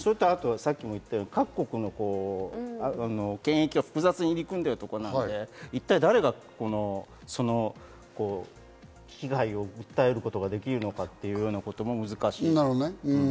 あとは各国の権益が複雑に入り組んでいるところなので、一体誰がその被害を訴えることができるのかということも難しい。